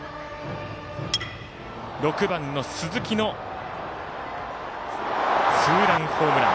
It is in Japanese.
６番の鈴木のツーランホームラン。